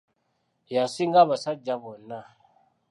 Ye asinga abasajja bonna.